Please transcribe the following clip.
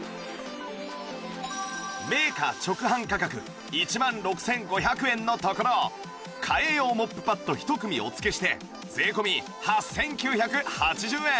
メーカー直販価格１万６５００円のところ替え用モップパッド１組お付けして税込８９８０円